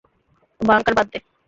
Bunker বাদ দে!